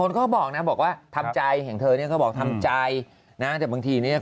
คนก็บอกน่ะบอกว่าทำใจแห่งเธอเนี้ยก็บอกทำใจนะแต่บางทีเนี้ย